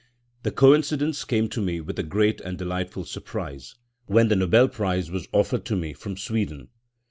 The coincidence came to me with a great and delightful surprise when the Nobel Prize was offered to me from Sweden.